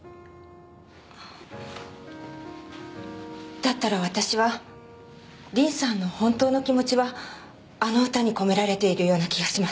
だったら私は凛さんの本当の気持ちはあの歌に込められているような気がします。